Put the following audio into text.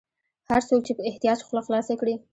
هر څوک چې په احتیاج خوله خلاصه کړي.